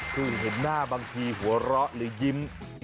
คือเห็นหน้าบางทีหัวเราะหรือยิ้ม